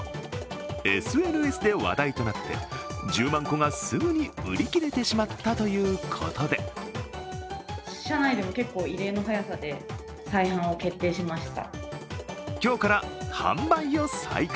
ＳＮＳで話題となって１０万個がすぐに売り切れてしまったということで今日から販売を再開。